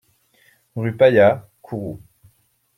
Rue Paya, Kourou